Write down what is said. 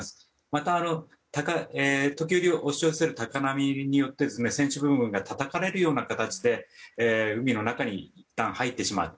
また、時折押し寄せる高波によって船首部分がたたかれるような形で海の中にいったん入ってしまう。